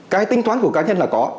cái tính toán của cá nhân là có